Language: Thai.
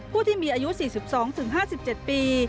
ผู้ที่มีอายุ๔๒๕๗ปี